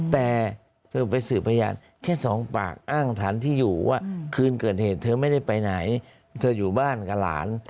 แต่เธอไปสืบพยานแค่สองปากอ้างฐานที่อยู่ว่าคืนเกิดเหตุเธอไม่ได้ไปไหนเธออยู่บ้านกับหลาน